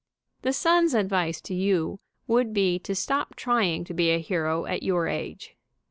The Sun's advice to you would be to stop trying to be a hero at your age.